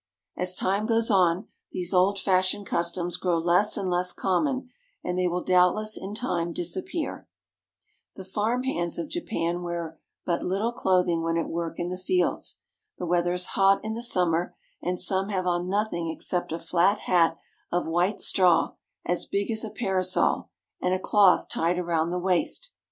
As time goes on, these old fashioned customs grow less and less common, and they will doubtless in time disappear. The farm hands of Japan wear but Httle clothing when 82 JAPAN at work in the fields. The weather is hot in the summer, and some have on nothing except a flat hat of white straw, as big as a parasol, and a cloth tied around the waist.